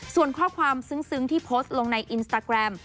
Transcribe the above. ส่วนข้อความซึ้งที่โพสต์ลงในอินสตาแกรม